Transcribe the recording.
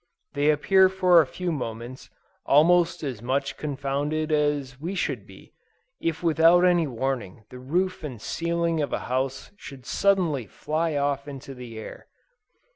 They appear for a few moments, almost as much confounded as we should be, if without any warning the roof and ceiling of a house should suddenly fly off into the air.